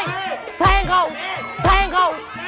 เต้งเขาเต้งเขา